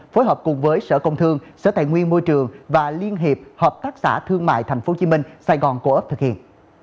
phối hợp cùng với sở công thương sở tài nguyên môi trường và liên hiệp hợp tác xã thương mại tp hcm sài gòn co op thực hiện